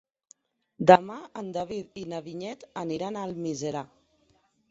Demà en David i na Vinyet aniran a Almiserà.